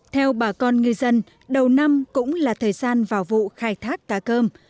theo bà con ngư dân đầu năm cũng là thời gian vào vụ khai thác cá cơm